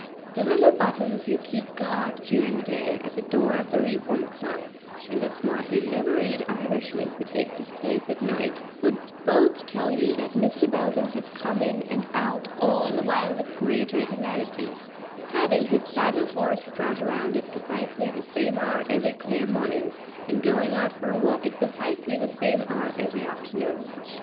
The little "buttons" who keeps guard during the day at the door of the Reform Club and the smartly liveried Irishman who takes his place at night would both tell you that Mr. Belden has come in and out all the while with great regularity, having his saddle horse brought around at precisely the same hour every clear morning, and going out for a walk at precisely the same hour every afternoon.